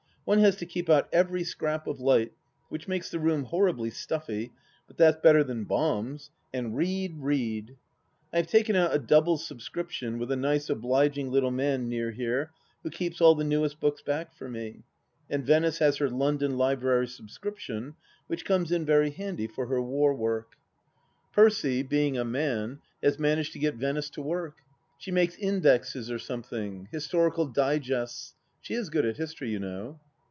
One has to keep out every scrap of light, which makes the room horribly stuffy, but that's better than bombs— and read, read. ... I have taken out a double subscription with a nice obliging little man near here who keeps all the newest books back for me, and Venice has her London Library subscription, which comes in very handy for her " war work "! THE LAST DITCH 249 Percy, being a man, has managed to get Venice to work. She makes indexes or something. ... Historical digests. ... She is good at history, you know.